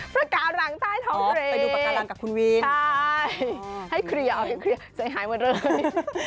ปากกาหลังใต้ท้องเรนใช่ให้เคลียร์ใส่หายมาเลย